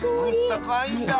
あったかいんだ。